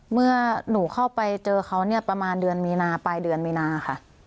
เมื่อหนูเข้าไปเจอเขาเนี่ยประมาณเดือนมีนาปลายเดือนมีนาค่ะ